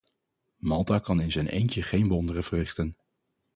Malta kan in zijn eentje geen wonderen verrichten.